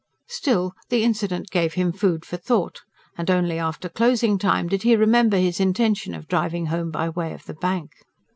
Still, the incident gave him food for thought, and only after closing time did he remember his intention of driving home by way of the Bank.